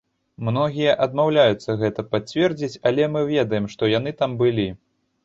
Многія адмаўляюцца гэта пацвердзіць, але мы ведаем, што яны там былі.